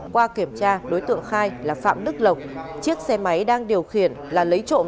qua kiểm tra đối tượng khai là phạm đức lộc chiếc xe máy đang điều khiển là lấy trộm